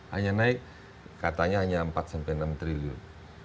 hanya naik katanya hanya empat sampai enam triliun